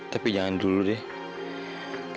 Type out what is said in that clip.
tapi jangan dulu deh